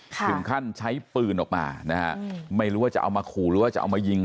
ถึงขั้นใช้ปืนออกมานะฮะไม่รู้ว่าจะเอามาขู่หรือว่าจะเอามายิง